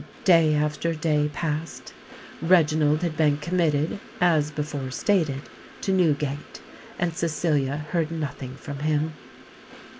Day after day passed; Reginald had been committed, as before stated, to Newgate; and Cecilia heard nothing from him.